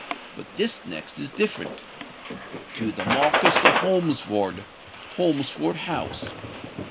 —But this next is different. '_To the Marquis of Holmesford, Holmesford House.